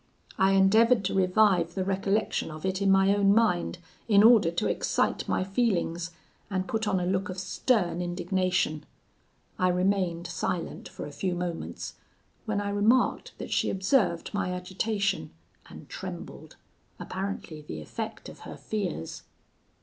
I endeavoured to revive the recollection of it in my own mind, in order to excite my feelings, and put on a look of stern indignation. I remained silent for a few moments, when I remarked that she observed my agitation, and trembled: apparently the effect of her fears.